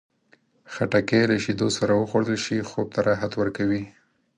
خټکی له شیدو سره وخوړل شي، خوب ته راحت ورکوي.